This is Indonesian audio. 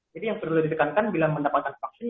jadi yang perlu didekankan bila mendapatkan vaksin